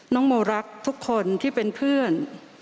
น้องโมรักทุกคนที่เป็นเพื่อน